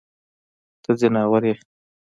ته ځناور يې.